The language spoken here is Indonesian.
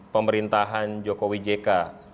pemerintahan jokowi jk